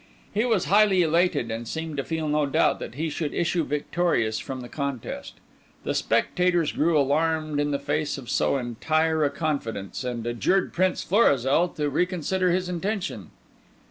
He was highly elated, and seemed to feel no doubt that he should issue victorious from the contest. The spectators grew alarmed in the face of so entire a confidence, and adjured Prince Florizel to reconsider his intention.